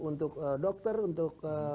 untuk dokter untuk